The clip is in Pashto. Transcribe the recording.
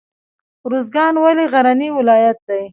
ارزګان ولې غرنی ولایت دی؟